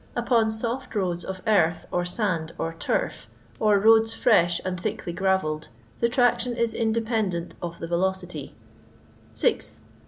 Upon soft roads of earth, or sand, or turf, or roads frinh and thickly gravelled, the traction is independent of the velocity. 6th.